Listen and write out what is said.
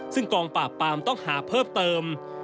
ซึ่งกองปราบปามต้องหาเพิ่มเติม